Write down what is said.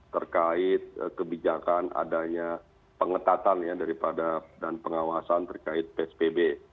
terkait kebijakan adanya pengetatan ya daripada dan pengawasan terkait psbb